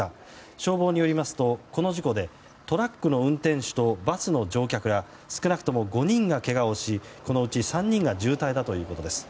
消防によりますと、この事故でトラックの運転手とバスの乗客ら少なくとも５人がけがをしそのうち３人が重体だということです。